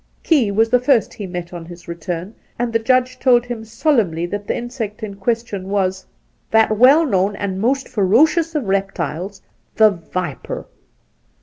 Key was the first he met on his return, and the Judge told him solemnly that the insect in question was ' that well known and most ferocious of reptiles, the viper.'